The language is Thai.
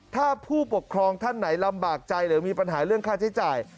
ถ้าผู้ปกครองท่านไหนลำบากใจหรือมีปัญหาเรื่องค่าใช้จ่าย